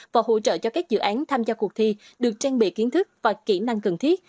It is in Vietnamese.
và hỗ trợ cho các dự án tham gia cuộc thi được trang bị kiến thức và kỹ năng cần thiết